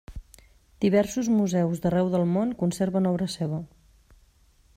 Diversos museus d'arreu del món conserven obra seva.